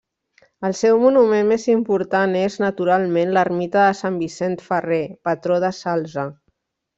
El seu monument més important és, naturalment, l'ermita de sant Vicent Ferrer, patró del Salze.